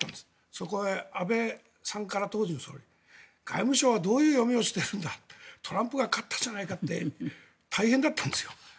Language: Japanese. そこへ安倍さん、当時の総理から外務省はどういう読みをしているんだトランプが勝ったじゃないかって大変だったんですよ。